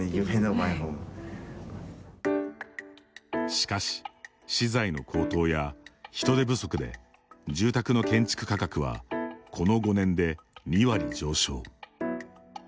しかし、資材の高騰や人手不足で住宅の建築価格はこの５年で２割上昇。